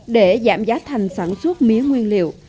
để giảm giá thành sản xuất mía nguyên liệu